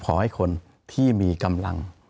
ขอให้คนที่มีกำลัง